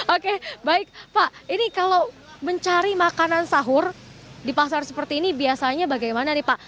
oke baik pak ini kalau mencari makanan sahur di pasar seperti ini biasanya bagaimana nih pak